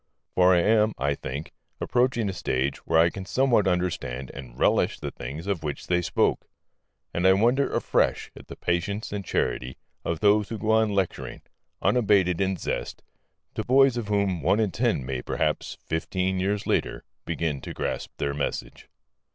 For I am (I think) approaching a stage where I can somewhat understand and relish the things of which they spoke. And I wonder afresh at the patience and charity of those who go on lecturing, unabated in zest, to boys of whom one in ten may perhaps, fifteen years later, begin to grasp their message.